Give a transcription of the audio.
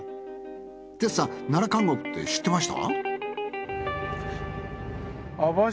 奈良監獄って知ってました？